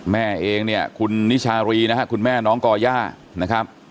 แม่เองเนี่ยคุณนิชารีนะครับคุณแม่น้องก่อย่านะครับ